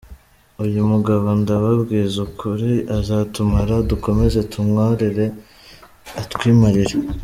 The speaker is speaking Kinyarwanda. uyu mugabo ndabaabwiza ukuri azatumara, dukomeze tumworore atwimarire!